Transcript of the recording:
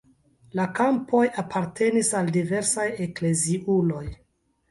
La kampoj apartenis al diversaj ekleziuloj.